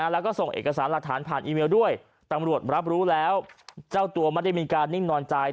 แล้วก็ส่งเอกสารหลักฐานผ่านอีเมลด้วยตำรวจรับรู้แล้วเจ้าตัวไม่ได้มีการนิ่งนอนใจ